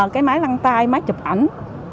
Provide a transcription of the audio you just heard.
cái máy lăng tay máy chụp ảnh